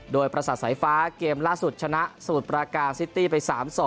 โดยประสาทสายฟ้าเกมล่าสุดชนะสูตรประการซิตี้ไป๓๒